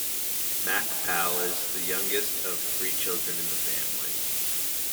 Makpal is the youngest of three children in the family.